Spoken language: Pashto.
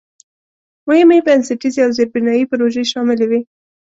مهمې بنسټیزې او زېربنایي پروژې شاملې وې.